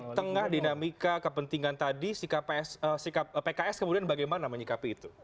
di tengah dinamika kepentingan tadi pks kemudian bagaimana menyikapi itu